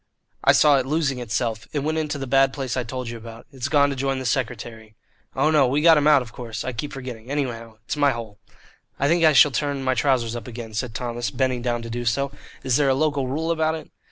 "I saw it losing itself. It went into the bad place I told you about. It's gone to join the secretary. Oh, no, we got him out, of course; I keep forgetting. Anyhow, it's my hole." "I think I shall turn my trousers up again," said Thomas, bending down to do so. "Is there a local rule about it?"